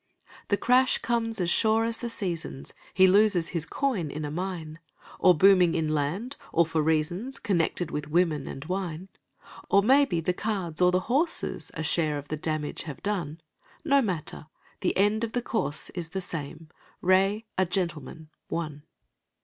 The crash comes as sure as the seasons; He loses his coin in a mine, Or booming in land, or for reasons Connected with women and wine. Or maybe the cards or the horses A share of the damage have done No matter; the end of the course is The same: "Re a Gentleman, One".